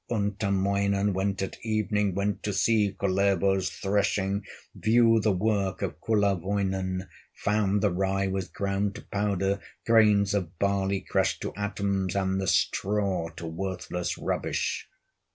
Untamoinen went at evening, Went to see Kullervo's threshing, View the work of Kullerwoinen; Found the rye was ground to powder, Grains of barley crushed to atoms, And the straw to worthless rubbish.